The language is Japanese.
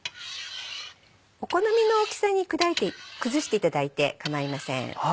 お好みの大きさに崩していただいて構いません。